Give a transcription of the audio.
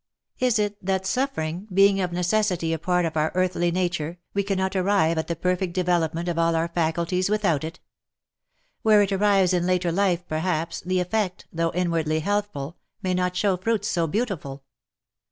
Is it that suffering, being of ne cessity a part of our earthly nature, we cannot arrive at the perfect development of all our faculties without it ? Where it arrives in later life, perhaps, the effect, though inwardly healthful, may not show fruits so beautiful.